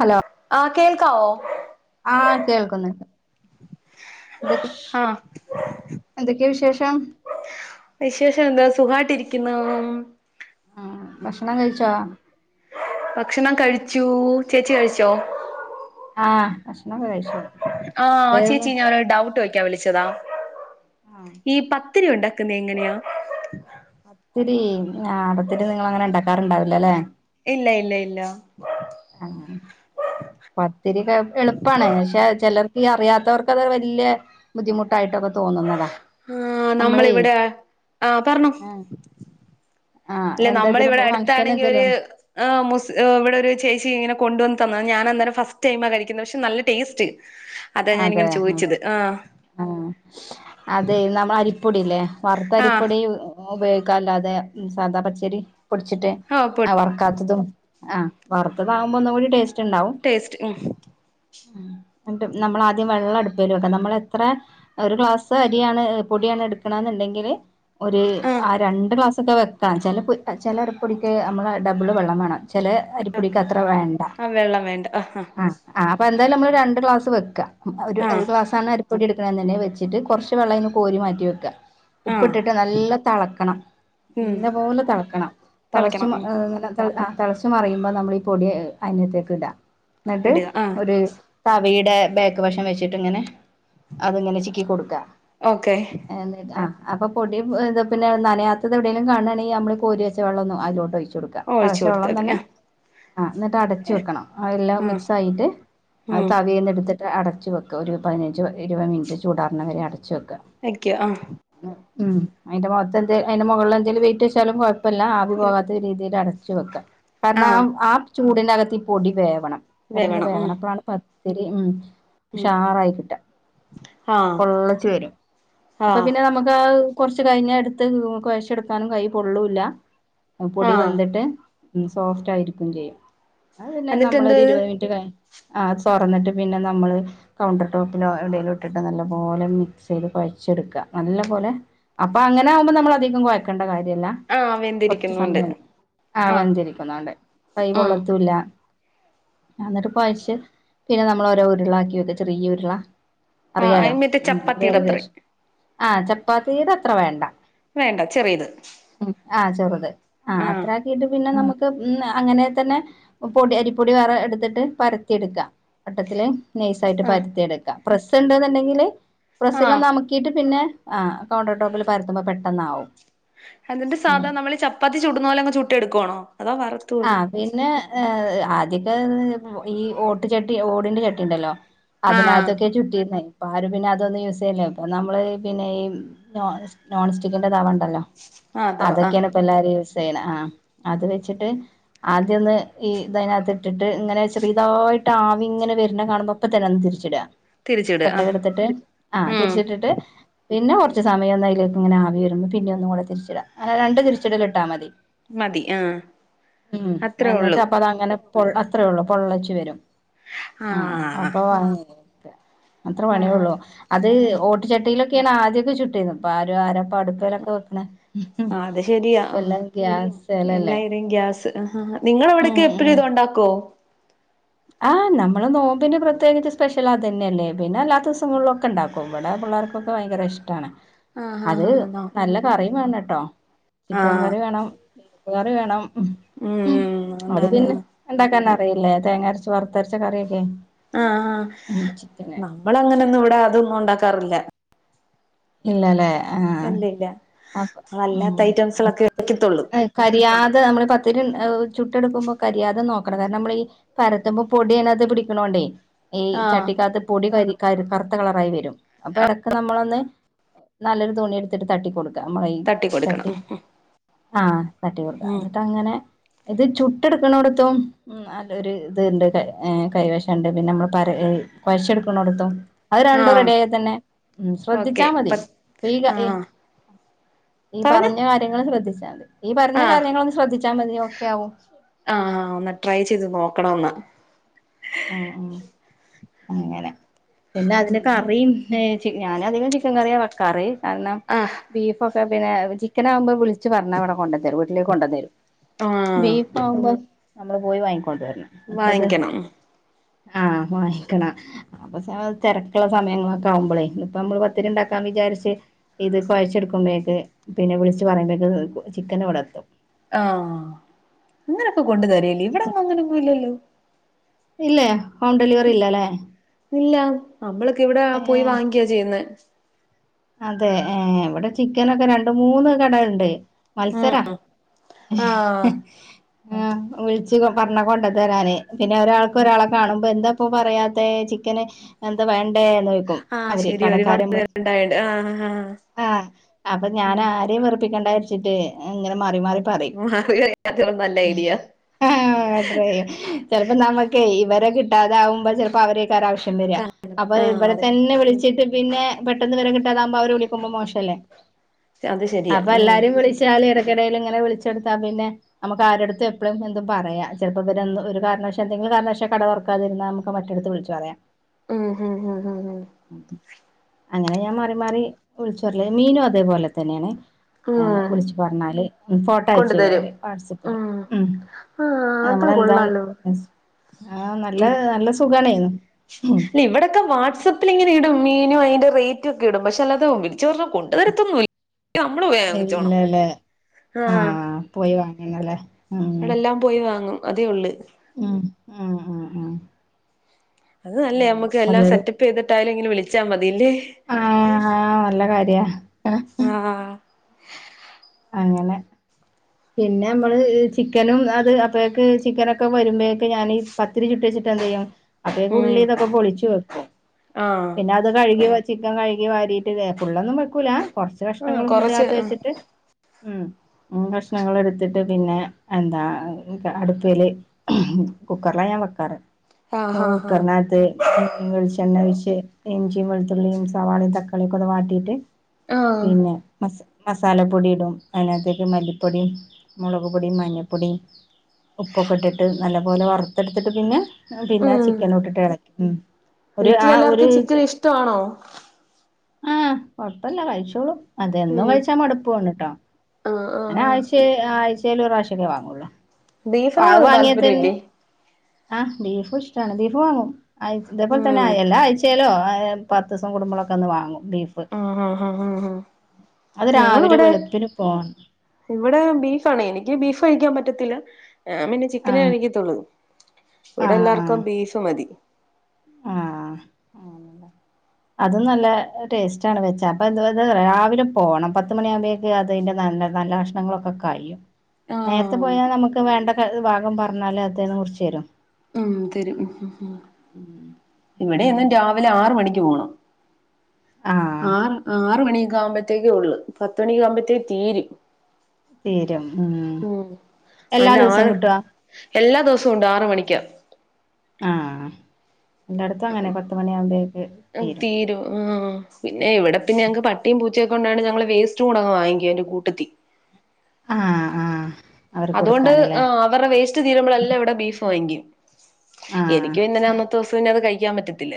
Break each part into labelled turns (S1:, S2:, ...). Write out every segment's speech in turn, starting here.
S1: Hello
S2: ആഹ് കേൾക്കാവോ
S1: ആഹ് കേൾക്കുന്നുണ്ട് ന്തക്കെ
S2: ആഹ്
S1: എന്തൊക്കെയാ വിശേഷം
S2: വിശേഷം എന്താ സുഖായിട്ട് ഇരിക്കുന്നു
S1: ആഹ് ഭക്ഷണം കഴിച്ചോ
S2: ഭക്ഷണം കഴിച്ചു ചേച്ചി കഴിച്ചോ
S1: ആഹ് ഭക്ഷണൊക്കെ കഴിച്ചു
S2: ആഹ്
S1: എന്തായിരുന്നു
S2: ചേച്ചി ഞാനൊരു ഡൗട്ട് ട്ട് ചോദിക്കാൻ വിളിച്ചതാ
S1: ആഹ്
S2: ഈ പത്തിരി ഉണ്ടാക്കുന്ന എങ്ങനെയാ
S1: പത്തിരി ആഹ് പത്തിരി നിങ്ങള് അങ്ങനെ ഉണ്ടാക്കാറുണ്ടാവില്ല അല്ലെ
S2: ഇല്ല ഇല്ല ഇല്ല
S1: പത്തിരി എളുപ്പാണ് പക്ഷെ ചിലർക്ക് അറിയാത്തവർക്ക് അത് വല്ല്യ ബുദ്ധിമുട്ട് ട്ടായിട്ട് ഒക്കെ തോന്നും
S2: ആഹ് നമ്മളിവിടെ ആഹ് പറഞ്ഞോ
S1: ആഹ് ആഹ്
S2: ഇല്ല
S1: എന്താ
S2: നമ്മളെ
S1: ഇതില്
S2: ഇവിടെ
S1: ഫംഗ്ഷൻ
S2: അടുത്താണെങ്കി ഒര്
S1: എന്തേലും
S2: ആ് ഇവിടെ ഒരു ചേച്ചി ഇങ്ങനെ കൊണ്ടുവന്ന് തന്ന് ഞാന് അന്നരം ഫസ്റ്റ് ടൈമാ കഴിക്കുന്നത് പക്ഷെ നല്ല ടേസ്റ്റ് അതാ
S1: അതെ
S2: ഞാനിങ്ങനെ ചോദിച്ചത് ആഹ്
S1: ആഹ് അതെ നമ്മളരി പൊടി അല്ലേ
S2: ആഹ്
S1: വറുത്തരിപ്പൊടി ഉപയോഗിക്കാം അല്ലാതെ സാദാ പച്ചരി പൊടിച്ചിട്ട്
S2: ആഹ് പൊട്
S1: വറ്ക്കാത്തതും ആഹ് വറുത്തതാകുമ്പോ ഒന്നും കൂടി ടേസ്റ്റ് ഉണ്ടാവും
S2: ടേസ്റ്റ് ഉം
S1: നമ്മള് ആദ്യം വെള്ളം അടുപ്പലും വയ്ക്ക നമ്മള് എത്ര ഒരു ഗ്ലാസ് അരിയാണ് പൊടിയാണ് എടുക്കണ എന്നുണ്ടെങ്കില് ഒരു
S2: ആഹ്
S1: ആ രണ്ട് ഗ്ലാസ്സൊക്കെ വെക്കാം ചെല ചെല അരിപ്പൊടിക്ക് നമ്മള ഡബിള് വെള്ളം വേണം ചെല അരിപ്പൊടിക്ക് അത്ര വേണ്ട
S2: ആഹ് വെള്ളം വേണ്ട
S1: ആഹ് ആഹ് അപ്പൊ എന്തായാലും നമ്മള് രണ്ട് ഗ്ലാസ് വെക്ക ഒരു
S2: ആഹ്
S1: ഗ്ലാസ്സാണ് പൊടിയെടുക്കണന്ന് തന്നെ വെച്ചിട്ട് കുറച്ച് വെള്ളംന് കോരി മാറ്റി വെക്കുക
S2: ആഹ്
S1: ഉപ്പിട്ടിട്ട് നല്ല തിളക്കണം
S2: ഉം
S1: നല്ലെ പോലെ തിളക്കണം തിളച്ച്
S2: തിളക്കണം ഉം
S1: ഇങ്ങനെ തിളച്ച് മറിയുമ്പോൾ നമ്മളീ പൊടി അന്യത്തേക്ക് ഇടാം എന്നിട്ട്
S2: ഇടുക ആഹ്
S1: ഒരു വീടെ ബേക്ക് വശം വെച്ചിട്ട് ഇങ്ങനെ അതിങ്ങനെ ചിക്കി കൊടുക്കാ
S2: ഓക്കെ
S1: ആഹ് അപ്പൊ പൊടി ഇ എന്താ പിന്നെ നനയാത്തത് എവിടെലും കാണാണെങ്കിൽ നമ്മള് കോരി വച്ച വെള്ളം അതിലോട്ട് ഒഴിച്ചു ടുക്ക
S2: ഒഴിച്ചു
S1: തളച്ച വെള്ളം
S2: കൊടുത്താൽ മതി
S1: തന്നെ
S2: ആഹ്
S1: ആ എന്നിട്ട് അടച്ചു വെക്കണം അതെല്ലാം
S2: ആഹ്
S1: മിക്സ് ആയിട്ട്
S2: ഉം
S1: വേവ്ന്നെടുത്തിട്ട് അടച്ച് വയ്ക്കുക ഒരു പതിനഞ്ച് ഇരുപത് മിനിറ്റ് ചൂടാറാണവരെ അടച്ച് വയ്ക്കുക
S2: വെക്ക ആഹ്
S1: ഉം അയ്ന്റെ മുഖത്തെ എന്ത് അതിന്റെ മുകളിൽ എന്തേലും വെയിറ്റ് വെച്ചാലും കൊഴപ് പ്പല്ലാ ആവി പോകാത്ത രീതിയിൽ അടച്ചു വെക്കുക
S2: ആഹ്
S1: കാരണം ആ ചൂടിന്റെ അകത്ത് ഈ പൊടി വേവണം കിടന്ന് വേവണം അപ്പോഴാണ് പത്തിരി ഉം
S2: ഉം
S1: ഉഷാറായി കിട്ട
S2: ആഹ്
S1: പൊള്ളച്ച് വരും അപ്പൊ
S2: ആഹ്
S1: പിന്നെ നമുക്ക് ആഹ് കൊർച്ച് കഴിഞ്ഞ് എടുത്ത് കുഴച്ചെടുക്കാനും കൈ പൊള്ളൂല്ല പൊടി
S2: ആഹ്
S1: വെന്ത്ട്ട് ഉം സോഫ്റ്റ് ആയിരിക്കും ചെയ്യും അത് പിന്നെ
S2: എന്നിട്ട് എന്തോ
S1: നമ്മളരു
S2: ഇത്
S1: ഇരുപത് മിനിറ്റ് കഴി ആ തൊറന്നിട്ട് പിന്നെ നമ്മള് കൗണ്ടർ ടോപ്പിലോ എവിടേലും ഇട്ടിട്ട് നല്ല പോലെ മിക്സ് ചെയ്ത് കൊഴച്ചെടുക്ക നല്ല പോലെ അപ്പ അങ്ങനെ ആകുമ്പോ നമ്മള് അധികം കൊയ്ക്കണ്ട കാര്യല്ല
S2: ആഹ്
S1: കൊർച്ച്
S2: വെന്തിരിക്കുന്നുണ്ട്
S1: സമയം ആ
S2: ആഹ്
S1: വെന്തിരിക്കുന്നോണ്ട് കൈ
S2: ഉം
S1: പൊള്ളത്തുല്ല ആ എന്നിട്ട് കൊഴച്ച് പിന്നെ നമ്മള് ഓരോ ഉരുള ആക്കി വെക്ക ചെറിയ ഉരുള
S2: ആഹ്
S1: അറിയാലോ
S2: അത് മറ്റേ
S1: ഉം ഒര്
S2: ചപ്പാത്തിയുടെ അത്രയും
S1: ഏകദേശം ആഹ് ചപ്പാത്തിയുടെ അത്ര വേണ്ട
S2: വേണ്ട ചെറിയത്
S1: ഉം ആഹ് ചെറുത് ആ
S2: ആഹ്
S1: അത്ര ഇട് പിന്നെ നമുക്ക് അങ്ങനെ തന്നെ പൊടി അരിപ്പൊടി വേറെ എടുത്തിട്ട് പരത്തി എടുക്കാ വട്ടത്തില്. നൈസ് ആയിട്ട്
S2: ആഹ്
S1: പരത്തി എടുക്കാ പ്രസ് ഉണ്ടെന്നുണ്ടെങ്കില്
S2: ആഹ്
S1: പ്രസ്സിലൊന്ന് നമു ത്തിട്ട് പിന്നെ ആ കൗണ്ടർ ടോപ്പിൽ പരത്തുമ്പോൾ പെട്ടെന്നാവും
S2: എന്നിട്ട് സാധാ
S1: ഉം
S2: നമ്മള് ചപ്പാത്തി ചൂടുന്ന പോലെ അങ്ങ് ചുട്ട് എടുക്കുവാണോ അതോ വറത്തു
S1: ആ
S2: കോരേ
S1: പിന്നെ ഏ ആദ്യൊക്കെ ഈ ഓട്ടുചട്ടി ഓടിന്റെ ചട്ടി ണ്ടല്ലോ
S2: ആഹ്
S1: അതിനകത്തൊക്കെ ചുട്ടീർന്നെ ഇപ്പ ആരും പിന്നെ അതൊന്നും യൂസെയ്യെല്ല ഇപ്പ നമ്മള് പിന്നെ ഈ നോൺ സ്റ്റിക്കിന്റെ തവ ണ്ടല്ലോ
S2: ആഹ് അഥവാ ആഹ്
S1: അതൊക്കെയാണ്പ്പൊ എല്ലാരും യൂസ് ചെയ്യണ ആഹ് അത് വെച്ചിട്ട് ആദ്യൊന്ന് ഈ ഇത് അതിനകത്ത് ഇട്ടിട്ട് ഇങ്ങനെ ചെറീതായിട്ട് ട്ട് ആവി ഇങ്ങനെ വര്ണ കാണ്മ്പോ അപ്പ തന്നെന്ന് തിരിച്ച്ട
S2: തിരിച്ചിടുക ആഹ്
S1: ചട്ടകട്ത്തിട്ട് ആഹ്
S2: ഉം
S1: തിരിച്ചിട്ടിട്ട് പിന്നെ കൊറച്ച് സമയം ഒന്ന് അതിലേക്ക് ഇങ്ങനെ ആവി വരുമ്പോ പിന്ന ഒന്നും കൂടെ തിരിച്ചിട അങ്ങനെ രണ്ട് തിരിച്ചിടല് ഇട്ടാ മതി
S2: മതി ആഹ്
S1: ഉം
S2: അത്രേ
S1: എന്നിട്ട്
S2: ഉള്ളൂ
S1: അപ്പ അതങ്ങനെ പൊ അത്രെള്ളു പൊള്ളച്ച് വരും ആഹ് അപ്പൊ അങ് അത്ര
S2: ആഹ്
S1: പണിയൊള്ളു അത് ഓ ചട്ടിയിലൊക്കെയാണ് ആദ്യൊക്ക ചുട്ടിന്ന അപ്പൊ ആരും ആരോപ്പൊ അടുപ്പേലൊക്കെ വെക്ക്ണെ
S2: ആഹ് അത് ശെരിയാ
S1: ഗ്യാസേലല്ലേ
S2: എല്ലാ യിടിം ഗ്യാസ്
S1: ഉം
S2: നിങ്ങളവിടൊക്കെ ഇപ്പഴും
S1: ഉം
S2: കൊണ്ടാക്കോ
S1: ആഹ് നമ്മള് നോമ്പിൻ്റെ പ്രത്യേകിച്ച് സ്പെഷ്യൽ അതെന്നെയല്ലേ പിന്നെ അല്ലാത്ത ദിവസങ്ങളിലും ഒക്കെ ഉണ്ടാക്കും ഓ ഇവടെ പിള്ളേർക്കൊക്കെ ഭയങ്കര ഇഷ്ടാണ്
S2: ആഹ്
S1: അത്
S2: ആഹ് ആണോ
S1: നല്ല കറിം വേണട്ടോ ചിക്കൻ
S2: ആഹ്
S1: കറി വേണം ബീഫ് കറി വേണം
S2: ഉം
S1: അത്
S2: അതാണ്
S1: പിന്നെ
S2: ആഹ്
S1: ഇണ്ടാക്കാൻ അറിയില്ലേ തേങ്ങ അരച്ച് വറുത്തരച്ച കറിയൊക്കെ
S2: ആഹ് ആഹ്
S1: ഉം ചിക്കന്
S2: നമ്മൾ അങ്ങനൊന്നും ഇവടെ അതൊന്നും ഉണ്ടാക്കാറില്ല
S1: ഇല്ലല്ലേ ആഹ്
S2: ഇല്ല ഇല്ല
S1: അപ്പം
S2: നമ്മളല്ലാത്ത
S1: ഉം
S2: ഐറ്റംസുകളൊക്കെ
S1: ഞമ്മക്കത്
S2: വെക്കത്തുള്ളൂ
S1: കരിയാതെ നമ്മള് ഇ പത്തിരി ചുട്ടടുക്കുമ്പം കരിയാതെ നോക്കണം കാരണം നമ്മൾ ഈ പരത്തുമ്പോ പൊടി അതിനകത്ത് പിടിക്കണോണ്ടേ ഈ
S2: ആഹ്
S1: ചട്ടിക്കാത്ത് പൊടി കരി കറുത്ത കളറായി വരും അപ്പൊ എടക്ക് നമ്മളൊന്ന് നല്ലൊരു തുണി എടുത്തിട്ട് തട്ടിക്കൊടുക്ക നമ്മളെ
S2: തട്ടി കൊടുക്കണം
S1: ചട്ടി ആഹ് തട്ടി
S2: ഉം
S1: കൊടുത്താമതി
S2: ഉം
S1: ഇന്നട്ടങ്ങനെ ഇത് ചുട്ട് എടക്ക്ണോട്ത്തും ഉം നല്ല ഒരു ഇത്ണ്ട് കൈവശണ്ട് പിന്നെ നമ്മള് പര കൊയ്ചെട്ക്ക്ണോട്ത്തും അത് രണ്ടും
S2: ആഹ്
S1: റഡ്യായ തന്നെ ഉം ശ്രദ്ധിച്ച് ച്ചാ
S2: ഓക്കെ
S1: മതി
S2: പത്ത്
S1: പ്പം ഇ
S2: ആഹ്
S1: ഈ
S2: പറഞ്ഞോ
S1: പറഞ്ഞ കാര്യങ്ങൾ ശ്രദ്ധിച്ചാ മതി ഈ പറഞ്ഞ
S2: ആഹ്
S1: കാര്യങ്ങളൊന്ന് ശ്രദ്ധിച്ചാ മതി ഓക്കെ ആവും
S2: ആഹ് ഒന്ന് ട്രൈ ചെയ്ത് നോക്കണം ഒന്ന്
S1: ഉം അങ്ങനെ പിന്നെ അതിന് കറിം ഏഹ് ഞാനധികം ചിക്കൻ കറിയാ വെക്കാറ് കാരണം
S2: ആഹ്
S1: ബീഫൊ ഇപ്പ പിന്നെ ചിക്കൻ ആകുമ്പോ വിളിച്ച് പറഞ്ഞ വടെ കൊണ്ടത്തരും വീട്ടിലേക്ക് കൊണ്ടത്തരും
S2: ആഹ്
S1: ബീഫ് ആവുമ്പം ഞമ്മള് പോയി വാങ്ങിക്കൊണ്ട് വരണം
S2: വാങ്ങിയ്ക്കണം
S1: ആഹ വാങ്ങിക്ക്ണ അപ്പൊ സാ തെരക്ക്ള്ള സമയങ്ങളൊക്കെ ആവുമ്പോളേ ഇപ്പം ഞമ്മള് പത്തിരി ഉണ്ടാക്കാൻ വിചാരിച്ച് ഇത് കൊയച്ചെടുക്കുമ്പേക്ക് പിന്നെ വിളിച്ച് പറയുമ്പേക്ക് ചിക്കന് ഇവടെത്തും
S2: ആഹ അങ്ങനൊക്കെ കൊണ്ട തരൊ ഇനി ഇവടൊന്നും അങ്ങനെ ഇല്ലല്ലൊ
S1: ഇല്ലേ ഹോം ഡെലിവറി ഇല്ലല്ലേ
S2: ഇല്ലാ നമ്മളൊക്കെ ഇവിടെ പോയി
S1: ഏഹ്
S2: വാങ്ങിയ്ക്കാ ചെയ്യുന്നെ
S1: അതെ ഏ ഇവടെ ചിക്കനൊക്കെ രണ്ട് മൂന്ന് കടണ്ടെ
S2: ഉം
S1: മത്സര
S2: ആഹ്
S1: ആഹ വിളിച്ച് പറഞ്ഞ കൊണ്ട തരാന് പിന്നെ ഒരാൾക്ക്
S2: ഉം
S1: ഒരാളെ കാണുമ്പൊ എന്താപ്പൊ പറയാത്തെ ചിക്കന് എന്താ വേണ്ടേന്ന് ചൊയ്ക്കും
S2: ആഹ്
S1: അവര്
S2: ശരി ഒരുപാട്
S1: കടക്കാര് മ്മള്
S2: പേരുണ്ടായോണ്ട് ആഹ് ആഹ്
S1: ആഹ അപ്പൊ ഞാൻ ആരെം വെറുപ്പിക്കണ്ടാരിച്ചിട്ടെ ഇങ്ങനെ മാറി മാറി പറിം
S2: ഉം അറിയാത്തത് നല്ല ഐഡിയ
S1: ആഹ ട്രൈ ചെയ്യാം ചെലപ്പം നമ്മുക്കെ ഇവരെ കിട്ടാതാവുമ്പം ചെലപ്പം അവര് കാരാവശ്യം വര്യ
S2: കാരണം
S1: അപ്പം
S2: ആഹ്
S1: ഇവരെ
S2: അതെ
S1: തന്നെ വിളിച്ചിട്ട് പിന്നെ പെട്ടന്ന് വരെ കിട്ടാതാവുമ്പോ അവരെ വിളിക്കുമ്പോ മോശല്ലേ
S2: അത് ശരിയാ
S1: അപ്പൊ
S2: ഉം
S1: എല്ലാരും വിളിച്ച് ചാലി ഇടക്കിടയിൽ ഇങ്ങനെ വിളിച്ചെടുത്ത പിന്നെ നമുക്ക് ആരുടുത്ത് എപ്പഴും എന്തും പറയാ ചിലപ്പോ ഇവ ഒരു കാരണവശ ാൽഎന്തെ മിലും കാരണവശാൽ കട തുറക്കാതിരുന്ന മറ്റടു വിളിച്ചു പറയാം
S2: ഉം ഉം ഉം
S1: അങ്ങനെ ഞാൻ മാറി മാറി വിളിച്ചോറിയലമീനും അതേപോലെ തന്നെയാണ്
S2: ഉം
S1: വിളിച്ച് പറഞ്ഞാല് ഫോട്ടോ അയച്ചു
S2: കൊണ്ടു
S1: തരോ
S2: തരും
S1: അവര് വാട്സപ്പില്
S2: ഉം
S1: ഉ
S2: ആഹ് അത്
S1: നമ്മളെന്താ
S2: കൊള്ളാലോ
S1: ആഹ നല്ല നല്ല സുഖണെ
S2: ഇല്ല ഇവിടൊക്കെ വാട്സആപ്പിൽ ഇങ്ങനെ ഇടും മീനും അതിന്റെ റേറ്റും ഒക്കെ ഇടും പക്ഷെ അല്ലതെ വിളച്ച്പറഞ്ഞ കൊ ഇതരത്തൊന്നുമല്ല നമ്മള് പോയി മേടിച്ചോണം
S1: ഇല്ലല്ലേ
S2: ആഹ
S1: ആഹ് പോയി വാങ്ങണല്ലേ ഉം
S2: ഇവിടെ എല്ലാം പോയി വാങ്ങും അതേ ഉള്ളു
S1: ഉം ഉം ഉം ഉം
S2: അത് നല്ലേ നമ്മുക്ക്
S1: അങ്ങനെ
S2: എല്ലാം
S1: നല്ലൊരു
S2: സെറ്റപ്പ് ചെയ്തിട്ടായാലും എങ്കിലും വിളിച്ചാൽ മതില്ലേ
S1: ആഹ ആഹ നല്ല കാര്യ യ അ
S2: ആഹ്
S1: അങ്ങനെ പിന്നെ നമ്മള് ചിക്കനും അത് അപ്പോഴേക്ക് ചിക്കനൊക്കെ വരുമ്പോഴേക്കെ ഞാൻ പത്തിരി ചുട്ട് വെച്ചിട്ട് എന്ത്ചെയ്യും അപ്പ
S2: ഉം
S1: ഉള്ളിതൊക്കെ പൊളിച്ചു വെക്കും
S2: ആഹ്
S1: പിന്നെ അത് കഴുകി ചിക്കൻ കഴുകി വാരിയിട്ട് ഫുള്ളൊന്നും വെക്കൂല കുറച്ച്
S2: ആഹ്
S1: കഷ്ണങ്ങ
S2: കൊറച്ച്
S1: ഫ്രഡ്ജിനകത്ത് വെച്ചിട്ട് ഉം കഷ്ണങ്ങൾ എടുത്തിട്ട് പിന്നെ എന്താ അടുപ്പെൽ കുക്കറിലാ ഞാൻ വെക്കാറ്
S2: ആഹ് ആഹ് ആഹ്
S1: കുക്കറിനകത്ത് വെളിച്ചെണ്ണ വെച്ച് ഇഞ്ചിയും വെളുത്തുള്ളിയും സവാളയും തക്കാളിയൊക്കെ ഒന്ന് വാട്ടിയിട്ട്
S2: ആഹ്
S1: പിന്നെ മസ മസാല പൊടി ഇടും അതിനകത്തേക്ക് മല്ലിപ്പൊടിയും മുളക് പൊടിയും മഞ്ഞപ്പൊടിയും ഉപ്പൊക്കെ ഇട്ടിട്ട് നല്ലപോലെ വറുത്തെടുത്തിട്ട് പിന്നെ പിന്നെ ചിക്കൻ ഇട്ടിട്ട് ഇളക്കും
S2: വീട്ടിലെല്ലാവർക്കും ചിക്കൻ ഇഷ്ടമാണോ
S1: ആഹ കൊഴപ്പല്ല കഴിച്ചോളൂ അതന്നു
S2: ഉം
S1: കഴിച്ചാ മടുപ്പാണ്ട്ട്ടോ
S2: ആഹ്
S1: അങ്ങനെ
S2: ആഹ് ആഹ്
S1: ആഴ്ച ആഴ്ചൽ ഒരു പ്രാവശ്യമൊക്കെ വാങ്ങൂള്ളൂ. അഹ്
S2: ബീഫിനോട്
S1: വാങ്ങിയൽ തന്നെ
S2: താല്പര്യല്ലേ
S1: ആഹ ബീഫും ഇഷ്ടമാണ് ബീഫു വാങ്ങും ഇതേപോലെ തന്നെ.
S2: ഉം
S1: എല്ലാ ആഴ്ചാലേ പത്ത് ദിവസം കുടുുംമ്പളൊക്കെ അന്ന് വാങ്ങും. ബീഫ്
S2: ആഹ് ആഹ് ആഹ് ആഹ്
S1: അത് രാവിലെ
S2: ഞങ്ങളിവിടെ
S1: വെളുപ്പിന് ഫോൺ
S2: ഇവിടെ ബീഫ ആണ് എനിക്ക് ബീഫ് കഴിക്കാൻ പറ്റത്തില്ല. ഞാൻപിന്നെ ചി ചിക്കനെ
S1: ആഹ്
S2: കഴിക്കത്തുള്ളു ഇവിടെ എല്ലാവർക്കും ബീഫ് മതി.
S1: ആഹ ആണ്ല്ലേ അതും നല്ല ടേസ്റ്റ് ആണ് വെച്ച അപ്പ എ ന്താരാവിലെ പോകണം പത്ത്മണി ആകുമ്പ അതെ അതിന്റെ നല്ല നല്ല കഷ്ണങ്ങളൊക്കെ കഴിയും. നേരത്തെ
S2: ആഹ്
S1: പോയാൽ നമുക്ക് വേണ്ട ഭാഗം പറഞ്ഞാൽ അതന്ന മുറിച്ച് തരും.
S2: ഉം തരു
S1: ഉം
S2: ഇവിടെ
S1: അങ്ങനെ
S2: എന്നും രാവിലെ ആറ്മണിക്ക് പോണം.
S1: ആഹ്
S2: ആറ് ആറ് മണി ആകുമ്പോഴത്തേക്കേ ഉള്ളു പത്ത് മണിക്ക ആകുമ്പഴത്തേക്ക് തീരും.
S1: തീരും ഉം എല്ലാ
S2: അണ്ട്
S1: ദിവസവും
S2: ആറ്
S1: കിട്ടുവോ
S2: എല്ലാ ദിവസവും ഉണ്ട് ആറ് മണിക്ക്.
S1: ആഹ എല്ലായിടത്തും അങ്ങനെ പത്തുമണിയ ആകുമ്പോഴേക്ക് തീരും.
S2: തീരു ഉം ആഹ് പിന്നെ ഇവിടെ പിന്ന ഞങ്ങൾ പട്ടിം പൂച്ചൊക്കെ കൊണ്ടാണ് ഞങ്ങള് വേസ്റ്റും കൂടെങ്ങ് വാങ്ങിക്കും അയിൻ്റെ കൂട്ടത്തിൽ
S1: ആഹ ആഹ
S2: അതുകൊണ്ട് ആഹ് ടെ വേസ്റ്റ് തീരുമ്പോളല്ല ഇവിടെ ബീഫ് വാങ്ങിക്കും.
S1: ആഹ്
S2: എനിക്കു പിന്നെ അന്നത്തെ ദിവസംന്നെ അത് കഴിക്കാൻ പറ്റിത്തി ത്തില്ല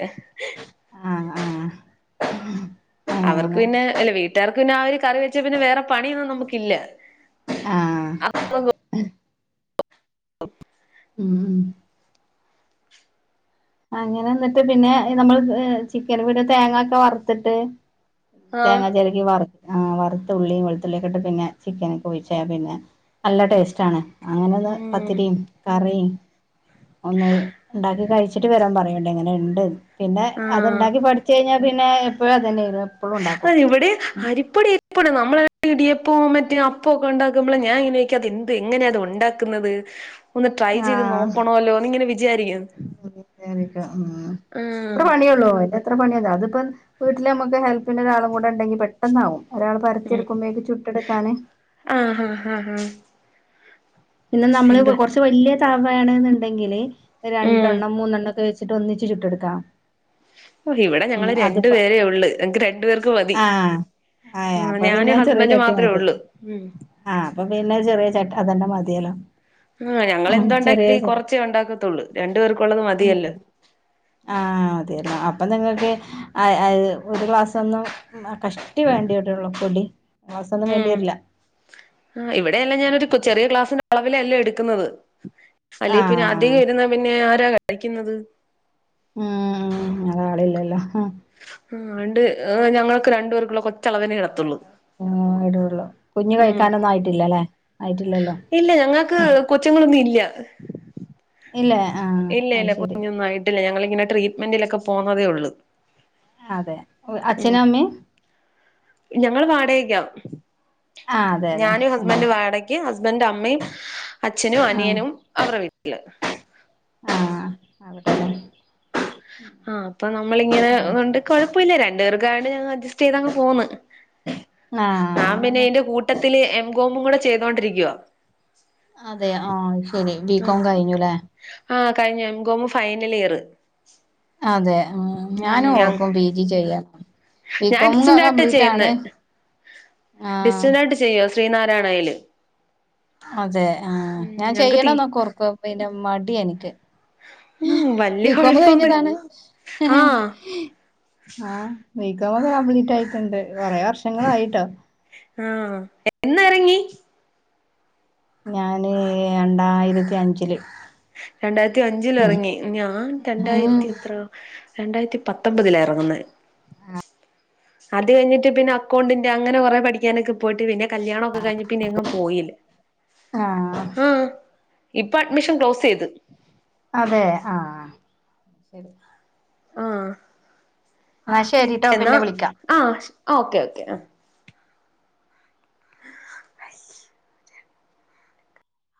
S1: ആഹ ആഹ
S2: അവർക്ക് പിന്നെ അല്ല വീട്ടുകാർക്ക് പിന്നെ ആ ഒരു കറി വെച്ചാ പിന്നെ വേറെ പണിയൊന്നും നമുക്ക ഇല്ല.
S1: ആഹ
S2: [unintelligible]
S1: ഉം ഉ അങ്ങനെ എന്നിട്ട് പിന്നെ നമ്മൾ ചിക്കൻ വിട തേങ്ങൊക്കെ വറുത്തിട്ട്,
S2: ആഹ്
S1: തേങ്ങാ ചെരകി വറത്ത ആ വറുത്ത ഉുള്ളി വെളുത്തുള്ളി ഒക്കെ ഇട്ട് പിന്നെ ചിക്കൻ ഒക്കെ ഒഴിച്ച് പിന്നെ. നല്ല ടേസ്റ്റ് ആണ്. അങ്ങനെ ഒന്ന്
S2: ഉം
S1: പത്തിരിയും കറിയും ഒന്ന് ഉണ്ടാക്കി കഴിച്ച [unintelligible] വിവരം പറയേണ്ട എങ്ങനെ ഉണ്ട്. പിന്നെ
S2: ആഹ്
S1: അതുണ്ടാക്കി പഠിച്ചു കഴിഞ്ഞാൽ പിന്നെ എപ്പോഴും അത് തന്നെയിരുന്നു.
S2: അ ഇവിടെ അരിപ്പൊടി ഇപ്പളും നമ്മള ഇടിയപ്പോ മറ്റേ പ്പൊക്കെ ഉണ്ടാക്കുമ്പോള ഞാൻ ഇങ്ങനെക്ക അത് എന്ത് എങ്ങനെയ അത് ഉണ്ടാക്കുന്നത്. ഒന്ന് ട്രൈ ചെയ്ത് നോക്കണല്ലോ എന്ന് ഇങ്ങനെ വിചാരിക്കും.
S1: [unintelligible] ഉ ഇത്ര
S2: ആഹ്
S1: പണിയള്ളു [unintelligible] ഇത്ര പണിയന്ന അതിപ്പം വീട്ടില് നമുക്ക് ഹെൽപ്പ്ന് ഒരാളും കൂടെണ്ടങ്കിൽ പെട്ടന്നാവും. ഒരാൾ പരത്തി
S2: ഉം
S1: എടുക്കുമ്പോഴേക്ക് ചുട്ടെടുക്കാന്
S2: ആഹ് ഹഹ് ആഹ് ആഹ
S1: പിന്നെ നമ്മള് കുറച്ച് വലിയ തവയണെന്നുണ്ടെങ്കില്
S2: ഉം
S1: രണ്ടെണ്ണം മൂന്നെണ്ണം ഒക്കെ വെച്ച് ചിട്ട് ഒന്നിച്ച് ചുട്ടെടുക്കാം.
S2: ഓ ഇവിടെ
S1: ഉം
S2: ഞങ്ങള് രണ്ടു
S1: അതിപ്പ
S2: പേരേ ഉള്ളു, എങ്ങക്ക് രണ്ടു പേർക്ക് മതി.
S1: ആഹ് ആഹ്
S2: ഉ
S1: അപ്പൊ
S2: ഞാനും
S1: പിന്നെ ചെറിയ
S2: ഹസ്ബൻ്റ്
S1: ചട്ടി
S2: മാത്ര
S1: മതി
S2: ഉള്ളൂ. ഉം
S1: ആഹ് അപ്പൊ പിന്നെ ചെറിയ ചട്ട അതെന്റെ മതിയല്ലോ
S2: ആ ഞങ്ങെളന്തു
S1: ചെറിയ
S2: ഉണ്ടെങ്കില് ഈ
S1: ച
S2: കുറച്ചേ ഉണ്ടാക്കത്തുള്ളൂ, രണ്ടു പേർക്കുള്ളത് മതിയല്ലേ.
S1: ആ അതേ അപ്പം നിങ്ങൾക്ക് ഒരു മാസൊന്നും കഷ്ടി വേണ്ടിവരൊള്ളു കൂടി മാസൊന്നും വേണ്ടിവരില്ല
S2: ആ ഇവിടെയെല്ലാം ഞാനൊരു ചെറിയ ഗ്ലാസ്സിന്റെ അളവിലല്ലേ എടുക്കുന്നത് അല്ലെ പിന്നെ
S1: ആഹ്
S2: അധികം ഇരുന്നാ പിന്നെ ആരാ കഴിക്കുന്നത്
S1: ഉം അതാളില്ലല്ലോ
S2: ആ ആണ്ട് ഞങ്ങക്ക് രണ്ടു പേർക്കുള്ള ഭ റ്റളവിനേ ഇടത്തൊള്ളൂ
S1: ഇടുള്ളു കുഞ്ഞ് കയിക്കാനൊന്നും ആയിട്ടില്ലല്ലെ ആയിട്ടില്ലല്ലോ
S2: ഇല്ല ഞങ്ങൾക്ക് കൊച്ചുങ്ങളൊന്നും ഇല്ല
S1: ഇല്ല ആഹ്
S2: ഇല്ല
S1: അത്
S2: ഇല്ല
S1: ശരി
S2: കുഞ്ഞൊന്നും ആയ ഞങ്ങളിങ്ങനെ ട്രീറ്റ്മെന്റിലൊക്കെ പോന്നതേള്ളൂ
S1: അതെ അച്ഛനും അമ്മയും
S2: ഞങ്ങള് വാടകക്കാ
S1: ആഹ് അതെ അതെ
S2: ഞാനും ഹസ്ബൻ്റ് വാട ഹസ്ബന്റ് അമ്മയും അച്ഛനും
S1: ആഹ്
S2: അനിയനും അവരുടെ വീട്ടില്
S1: ആഹ്
S2: ഉം ആഹ് അപ്പൊ
S1: അങ്ങനെയൊക്കെ
S2: നമ്മളിങ്ങനെണ്ട് കൊഴപ്പ് പ്പല്ല രണ്ട് പേർക്കായൊണ്ട് ഞങ്ങള് അഡജസ്റ്റ് ചെയ്തങ്ങ് പോന്ന്
S1: ആഹ്
S2: ഞാൻ പിന്നെ ഇതിന്റെ കൂട്ടത്തില് എംകോമും കൂടെ ചെയ്തോണ്ടിരിക്കുവോ
S1: അതെ ആഹ് ശരി ബികോം കഴിഞ്ഞുല്ലേ
S2: ആഅഹ കഴിഞ്ഞു എം കോം ഫൈനൽ ഇയറ്
S1: അതെ ഞാനും
S2: ഞ
S1: ഓർക്കും പി ജി ചെയ്യാന്
S2: ഞാൻ
S1: ബികോം
S2: ഡിസ്റ്റന്റ്
S1: കംപ്ലീറ്റാണ്
S2: ഡിസ്റ്റൻ്റായിട്ട് ചെയ്യുവോ ശ്രീനാരായണയില്
S1: അതെ ആ
S2: ഉം
S1: ഞാൻ
S2: ഞങ്ങക്ക് തീ
S1: ചെയ്യണൊന്നൊക്കെ ഓർക്കും പിന്നെ മടിയാ എൻക്ക്
S2: ഉം വല്യ
S1: ബികോം
S2: കൊഴപ്പൊന്ന്
S1: കഴിഞ്ഞതാണ്
S2: ആഹ്
S1: ആഹ് ബിക്കോം ഒക്കെ കംപ്ലീറ്റ് ആയിട്ടുണ്ട് കുറെ വർഷങ്ങളായിട്ടോ
S2: ആഹ് എന്നിറങ്ങി
S1: ഞാന് രണ്ടായിരത്തി അഞ്ചില്
S2: രണ്ടായിരത്തി അഞ്ചിലിറങ്ങി ഞാൻ
S1: ഉം
S2: രണ്ടായിരത്തി എത്ര രണ്ടായിരത്തി പത്തൊമ്പതില ഇറങ്ങുന്നെ അത് കഴിഞ്ഞിട്ട് പിന്നെ അക്കൗണ്ടിന്റെ അങ്ങനെ കുറെ പഠിക്കാനൊക്കെ പോയിട്ട് പിന്നെ കല്യാണം ഒക്കെ കഴിഞ്ഞ പിന്നെ അങ്ങ് പോയില്ല
S1: ആഹ്
S2: ആഹ് ഇപ്പൊ അഡ്മിഷൻ ക്ലോസ് ചെയ്ത്
S1: അതെ ആഹ് ശരി
S2: ആഹ്
S1: എന്നാ ശരിട്ടോ
S2: എന്നാ
S1: പിന്നെ വിളിക്കാം
S2: ആഹ് ഓക്കേ ഓക്കെ